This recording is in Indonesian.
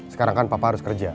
sekarang kan papa harus kerja